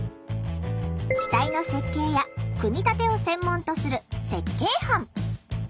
機体の設計や組み立てを専門とする設計班。